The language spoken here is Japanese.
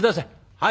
「はい。